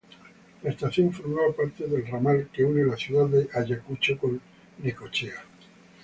La estación formaba parte del ramal que une la ciudad de Ayacucho con Necochea.